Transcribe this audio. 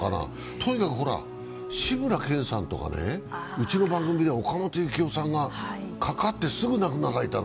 とにかく志村けんさんとか、うちの番組でも岡本行夫さんが、かかってすぐ亡くなられたの。